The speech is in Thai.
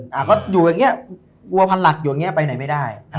เขาอยู่อย่างนี้วัวพลักษณ์อยู่อย่างนี้ไปไหนไม่ได้